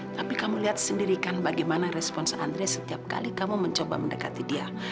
tapi kamu lihat sendirikan bagaimana respons andri setiap kali kamu mencoba mendekati dia